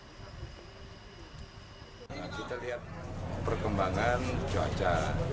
kita lihat perkembangan cuaca